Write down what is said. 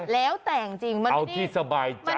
แล้วแต่จริงมันเอาที่สบายใจ